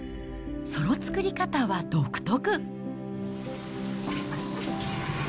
その作り方は独特。